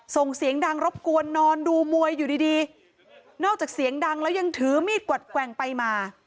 ส่งเสียงดังรบกวนนอนดูมวยอยู่ดีดีนอกจากเสียงดังแล้วยังถือมีดกวัดแกว่งไปมา